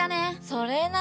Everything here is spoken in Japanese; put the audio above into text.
それな。